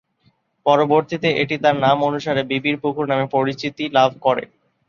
পরবর্তীতে এটি তার নাম অনুসারে "বিবির পুকুর" নামে পরিচিতি লাভ করে।